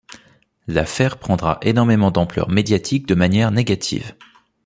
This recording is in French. L'affaire prendra énormément d'ampleur médiatique de manière négative.